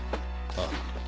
ああ。